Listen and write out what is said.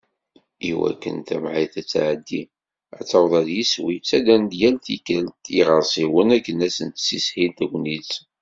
I wakken tamεayt ad tεeddi, ad taweḍ γer yiswi, ttadren-d yal tikkelt iγersiwen akken ad sen-tishil tegnit.